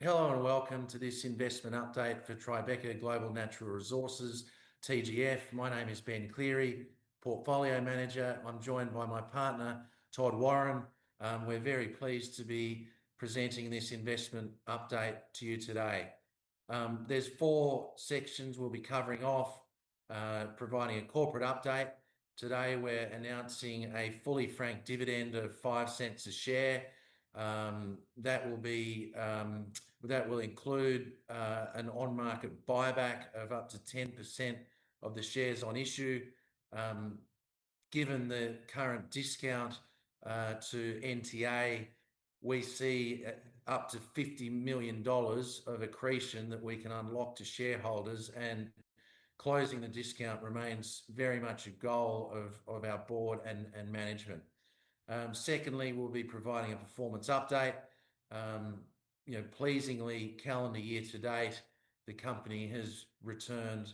Hello and welcome to this investment update for Tribeca Global Natural Resources, TGF. My name is Ben Cleary, Portfolio Manager. I'm joined by my partner, Todd Warren. We're very pleased to be presenting this investment update to you today. There are four sections we'll be covering off, providing a corporate update. Today, we're announcing a fully franked dividend of 0.05 a share. That will include an on-market buyback of up to 10% of the shares on issue. Given the current discount to NTA, we see up to 50 million dollars of accretion that we can unlock to shareholders, and closing the discount remains very much a goal of our board and management. Secondly, we'll be providing a performance update. Pleasingly, calendar year to date, the company has returned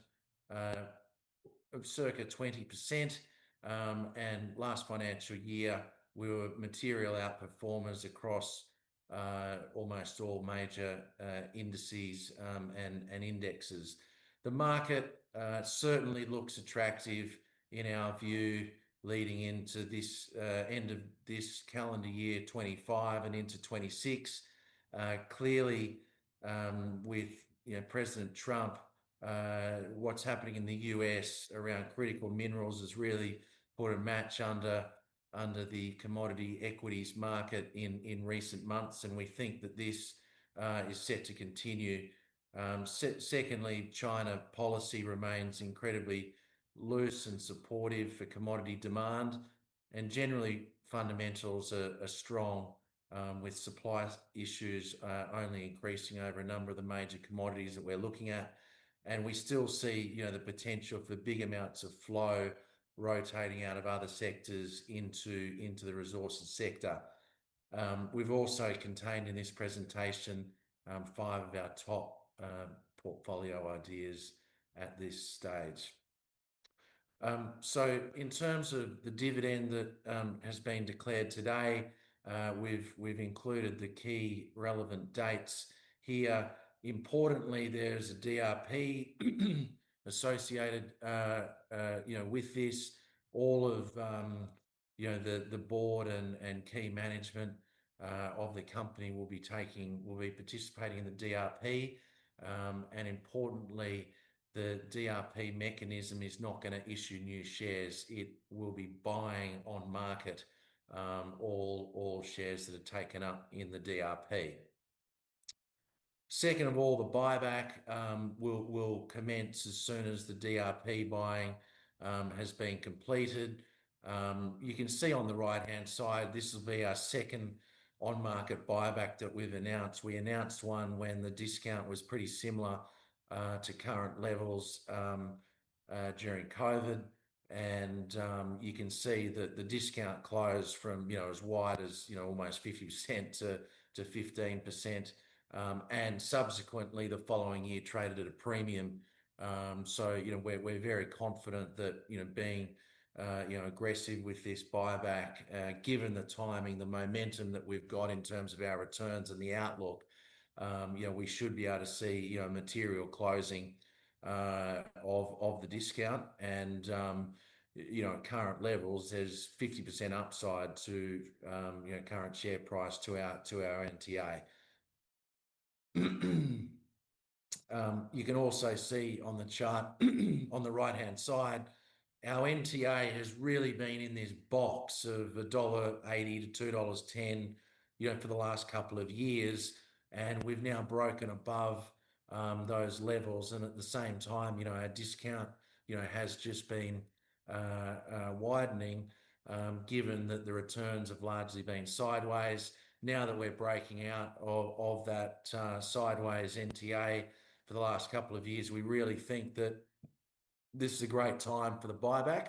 circa 20%. Last financial year, we were material outperformers across almost all major indices and indexes. The market certainly looks attractive in our view, leading into this end of this calendar year, 2025 and into 2026. Clearly, with President Trump, what's happening in the U.S. around critical minerals has really put a match under the commodity equities market in recent months, and we think that this is set to continue. Secondly, China policy remains incredibly loose and supportive for commodity demand, and generally, fundamentals are strong, with supply issues only increasing over a number of the major commodities that we're looking at. We still see the potential for big amounts of flow rotating out of other sectors into the resources sector. We've also contained in this presentation five of our top portfolio ideas at this stage. In terms of the dividend that has been declared today, we've included the key relevant dates here. Importantly, there's a DRP associated with this. All of the board and key management of the company will be participating in the DRP. Importantly, the DRP mechanism is not going to issue new shares. It will be buying on market all shares that are taken up in the DRP. Second of all, the buyback will commence as soon as the DRP buying has been completed. You can see on the right-hand side, this will be our second on-market buyback that we've announced. We announced one when the discount was pretty similar to current levels, during COVID. You can see that the discount closed from as wide as 0.50 to 15%, and subsequently, the following year traded at a premium. We’re very confident that being aggressive with this buyback, given the timing, the momentum that we've got in terms of our returns and the outlook, we should be able to see material closing of the discount. At current levels, there's 50% upside to current share price to our NTA. You can also see on the chart on the right-hand side, our NTA has really been in this box of 1.80-2.10 dollars for the last couple of years. We've now broken above those levels. At the same time, our discount has just been widening, given that the returns have largely been sideways. Now that we're breaking out of that sideways NTA for the last couple of years, we really think that this is a great time for the buyback.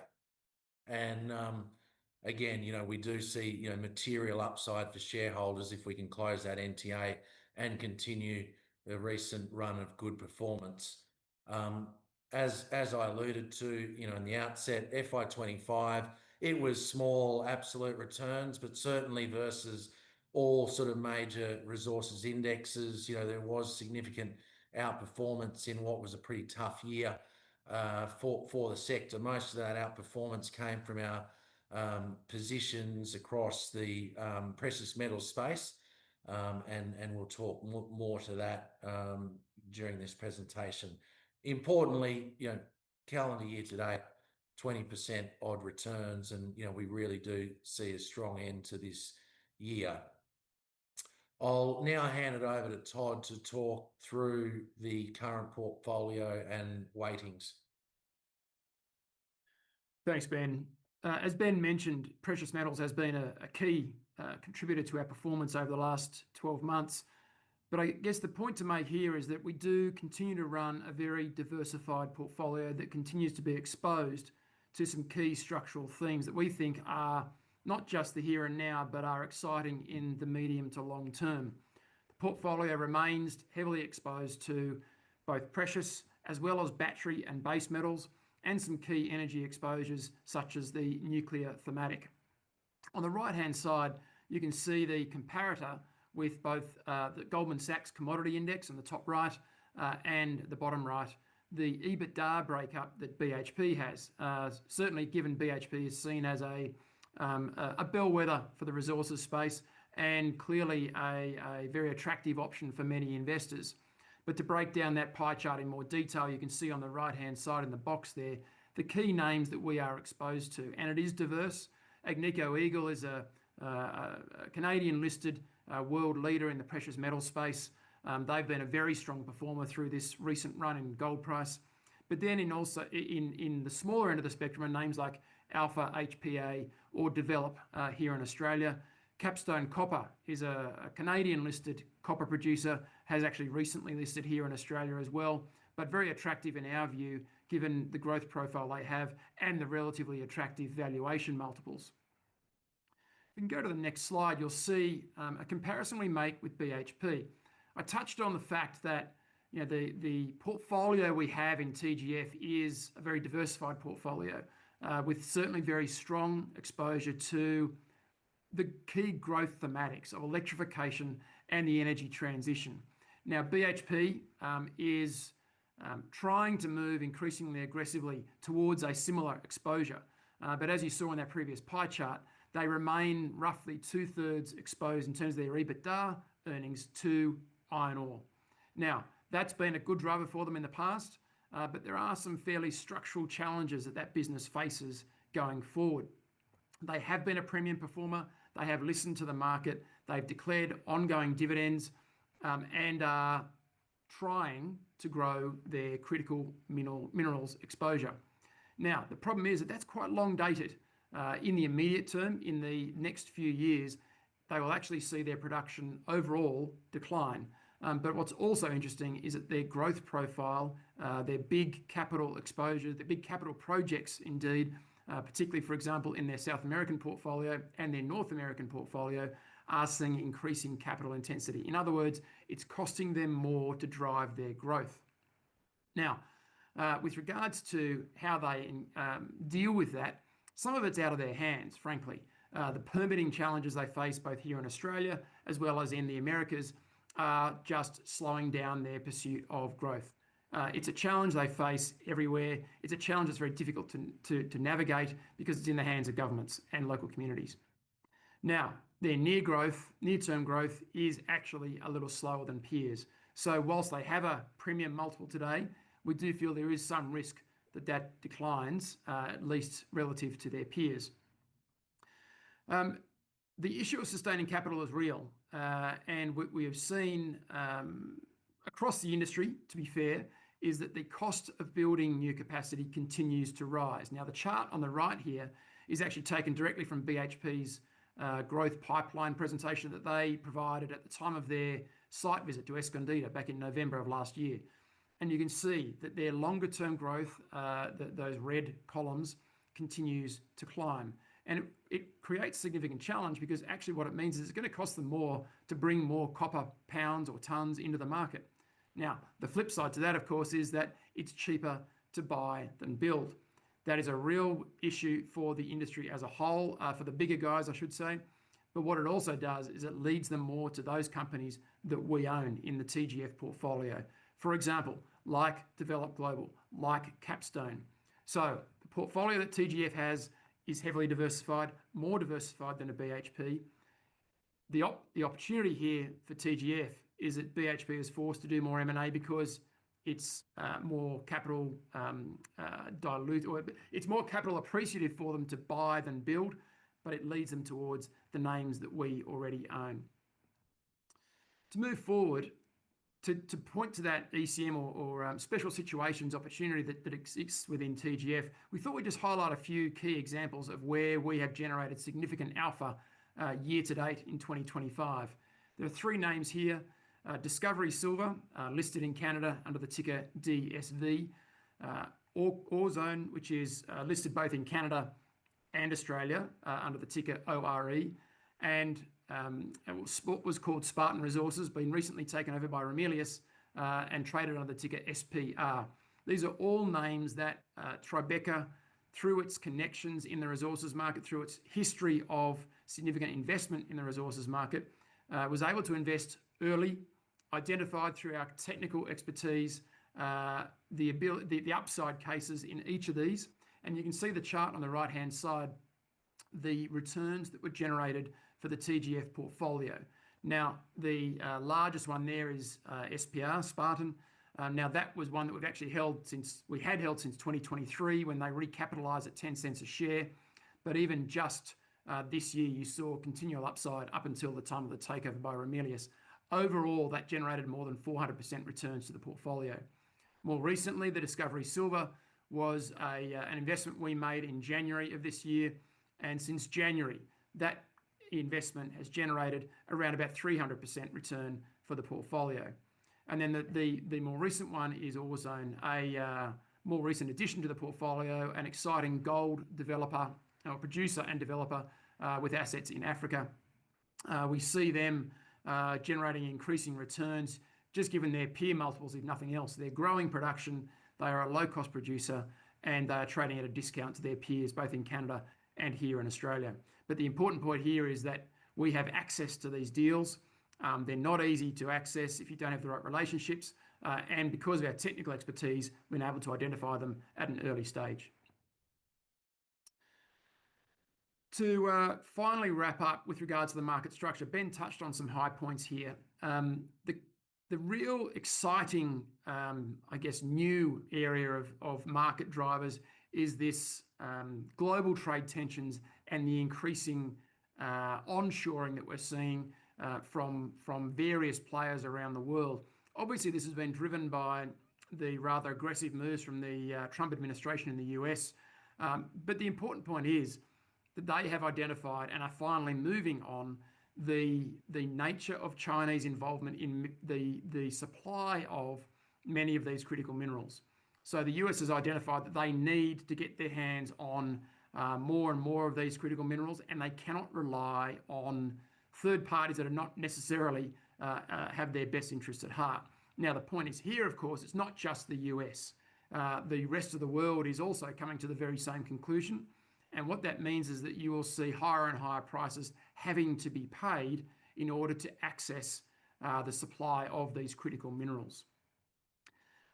Again, we do see material upside for shareholders if we can close that NTA and continue the recent run of good performance. As I alluded to in the outset, FY 25, it was small absolute returns, but certainly versus all sort of major resources indexes, there was significant outperformance in what was a pretty tough year for the sector. Most of that outperformance came from our positions across the precious metals space, and we'll talk more to that during this presentation. Importantly, calendar year to date, 20% odd returns, and we really do see a strong end to this year. I'll now hand it over to Todd to talk through the current portfolio and weightings. Thanks, Ben. As Ben mentioned, precious metals has been a key contributor to our performance over the last 12 months. I guess the point to make here is that we do continue to run a very diversified portfolio that continues to be exposed to some key structural things that we think are not just the here and now, but are exciting in the medium to long term. The portfolio remains heavily exposed to both precious as well as battery and base metals, and some key energy exposures such as the nuclear thematic. On the right-hand side, you can see the comparator with both the Goldman Sachs Commodity Index in the top right and the bottom right, the EBITDA breakup that BHP has. Certainly, given BHP Groupis seen as a bellwether for the resources space and clearly a very attractive option for many investors. To break down that pie chart in more detail, you can see on the right-hand side in the box there the key names that we are exposed to. It is diverse. Agnico Eagle is a Canadian-listed world leader in the precious metals space. They've been a very strong performer through this recent run in gold price. In the smaller end of the spectrum are names like Alpha HPA or Develop here in Australia. Capstone Copper, who's a Canadian-listed copper producer, has actually recently listed here in Australia as well, but very attractive in our view given the growth profile they have and the relatively attractive valuation multiples. If you can go to the next slide, you'll see a comparison we make with BHP. I touched on the fact that the portfolio we have in TGF is a very diversified portfolio with certainly very strong exposure to the key growth thematics of electrification and the energy transition. Now, BHP Group is trying to move increasingly aggressively towards a similar exposure. As you saw in their previous pie chart, they remain roughly 2/3 exposed in terms of their EBITDA earnings to iron ore. That's been a good rubber for them in the past, but there are some fairly structural challenges that that business faces going forward. They have been a premium performer. They have listened to the market. They've declared ongoing dividends, and are trying to grow their critical minerals exposure. The problem is that that's quite long-dated. In the immediate term, in the next few years, they will actually see their production overall decline. What's also interesting is that their growth profile, their big capital exposure, the big capital projects indeed, particularly, for example, in their South American portfolio and their North American portfolio, are seeing increasing capital intensity. In other words, it's costing them more to drive their growth. Now, with regards to how they deal with that, some of it's out of their hands, frankly. The permitting challenges they face both here in Australia as well as in the Americas are just slowing down their pursuit of growth. It's a challenge they face everywhere. It's a challenge that's very difficult to navigate because it's in the hands of governments and local communities. Their near-term growth is actually a little slower than peers. Whilst they have a premium multiple today, we do feel there is some risk that that declines, at least relative to their peers. The issue of sustaining capital is real. We have seen across the industry, to be fair, that the cost of building new capacity continues to rise. The chart on the right here is actually taken directly from BHP's growth pipeline presentation that they provided at the time of their site visit to Escondida back in November of last year. You can see that their longer-term growth, those red columns, continues to climb. It creates a significant challenge because actually what it means is it's going to cost them more to bring more copper pounds or tons into the market. The flip side to that, of course, is that it's cheaper to buy than build. That is a real issue for the industry as a whole, for the bigger guys, I should say. What it also does is it leads them more to those companies that we own in the TGF portfolio. For example, like Develop Global, like Capstone. The portfolio that TGF has is heavily diversified, more diversified than a BHP. The opportunity here for TGF is that BHP is forced to do more M&A because it's more capital, it's more capital appreciative for them to buy than build, but it leads them towards the names that we already own. To move forward, to point to that ECM or special situations opportunity that exists within TGF, we thought we'd just highlight a few key examples of where we have generated significant alpha year to date in 2025. There are three names here: Discovery Silver, listed in Canada under the ticker DSV; Orocobre, which is listed both in Canada and Australia under the ticker ORE; and what was called Spartan Resources, being recently taken over by Ramelius and traded under the ticker SPR. These are all names that Tribeca, through its connections in the resources market, through its history of significant investment in the resources market, was able to invest early, identified through our technical expertise, the upside cases in each of these. You can see the chart on the right-hand side, the returns that were generated for the TGF portfolio. The largest one there is SPR, Spartan. That was one that we've actually held since, we had held since 2023 when they recapitalized at 0.10 a share. Even just this year, you saw continual upside up until the time of the takeover by Ramelius. Overall, that generated more than 400% returns to the portfolio. More recently, the Discovery Silver was an investment we made in January of this year. Since January, that investment has generated around about 300% return for the portfolio. The more recent one is Orocobre, a more recent addition to the portfolio, an exciting gold developer or producer and developer with assets in Africa. We see them generating increasing returns just given their peer multiples if nothing else. They're growing production, they are a low-cost producer, and they are trading at a discount to their peers, both in Canada and here in Australia. The important point here is that we have access to these deals. They're not easy to access if you don't have the right relationships. Because of our technical expertise, we've been able to identify them at an early stage. To finally wrap up with regards to the market structure, Ben touched on some high points here. The real exciting, I guess, new area of market drivers is this global trade tensions and the increasing onshoring that we're seeing from various players around the world. Obviously, this has been driven by the rather aggressive moves from the Trump administration in the U.S. The important point is that they have identified and are finally moving on the nature of Chinese involvement in the supply of many of these critical minerals. The U.S. has identified that they need to get their hands on more and more of these critical minerals, and they cannot rely on third parties that are not necessarily have their best interests at heart. Now, the point is here, of course, it's not just the U.S. The rest of the world is also coming to the very same conclusion. What that means is that you will see higher and higher prices having to be paid in order to access the supply of these critical minerals.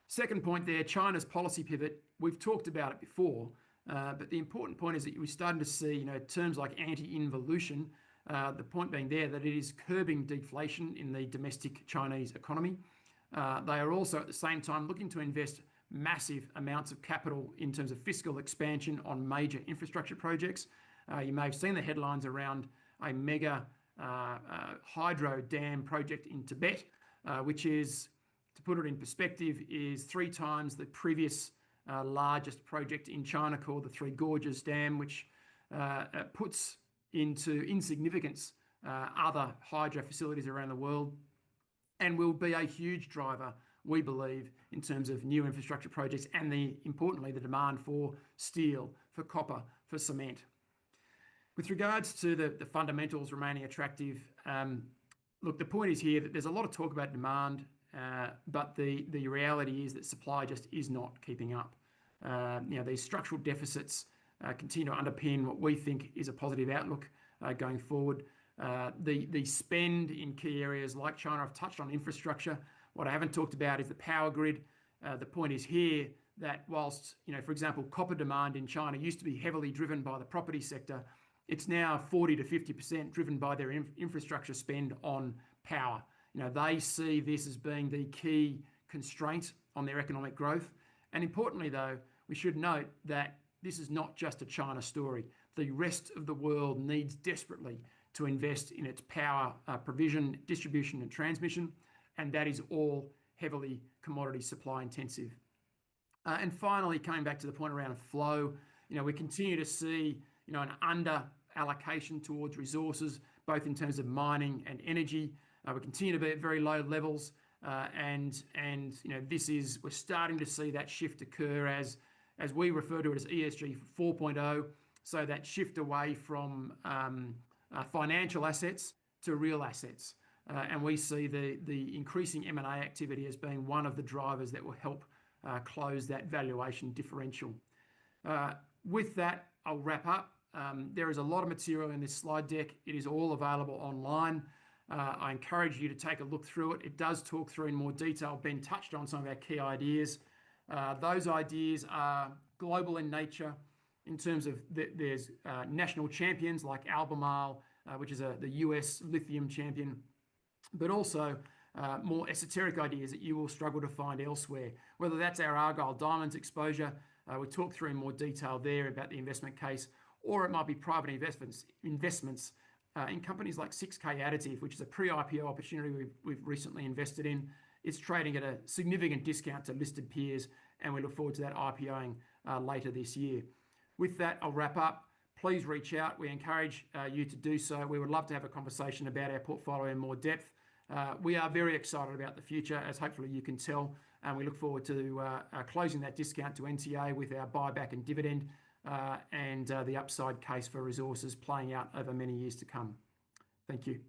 Second point there, China's policy pivot. We've talked about it before, but the important point is that we're starting to see terms like anti-involution, the point being there that it is curbing deflation in the domestic Chinese economy. They are also, at the same time, looking to invest massive amounts of capital in terms of fiscal expansion on major infrastructure projects. You may have seen the headlines around a mega hydro dam project in Tibet, which is, to put it in perspective, three times the previous largest project in China called the Three Gorges Dam, which puts into insignificance other hydro facilities around the world and will be a huge driver, we believe, in terms of new infrastructure projects and, importantly, the demand for steel, for copper, for cement. With regards to the fundamentals remaining attractive, the point is here that there's a lot of talk about demand, but the reality is that supply just is not keeping up. These structural deficits continue to underpin what we think is a positive outlook going forward. The spend in key areas like China have touched on infrastructure. What I haven't talked about is the power grid. The point is here that whilst, for example, copper demand in China used to be heavily driven by the property sector, it's now 40%-50% driven by their infrastructure spend on power. They see this as being the key constraints on their economic growth. Importantly, though, we should note that this is not just a China story. The rest of the world needs desperately to invest in its power provision, distribution, and transmission, and that is all heavily commodity supply intensive. Finally, coming back to the point around flow, we continue to see an under-allocation towards resources, both in terms of mining and energy. We continue to be at very low levels. We're starting to see that shift occur as we refer to it as ESG 4.0. That shift away from financial assets to real assets. We see the increasing M&A activity as being one of the drivers that will help close that valuation differential. With that, I'll wrap up. There is a lot of material in this slide deck. It is all available online. I encourage you to take a look through it. It does talk through in more detail. Ben touched on some of our key ideas. Those ideas are global in nature in terms of there's national champions like Albemarle, which is the U.S. lithium champion, but also more esoteric ideas that you will struggle to find elsewhere. Whether that's our Argyle Diamonds exposure, we talked through in more detail there about the investment case, or it might be private investments in companies like 6K Additive, which is a pre-IPO opportunity we've recently invested in. It's trading at a significant discount to listed peers, and we look forward to that IPOing later this year. With that, I'll wrap up. Please reach out. We encourage you to do so. We would love to have a conversation about our portfolio in more depth. We are very excited about the future, as hopefully you can tell. We look forward to closing that discount to NTA with our buyback and dividend and the upside case for resources playing out over many years to come. Thank you.